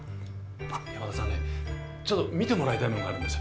あっ山田さんねちょっと見てもらいたいものがあるんです。